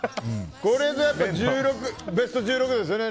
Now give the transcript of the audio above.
これがベスト１６ですね。